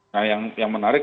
nah yang menarik